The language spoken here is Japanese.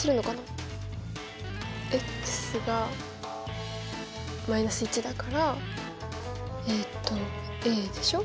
が−１だからえっとでしょ。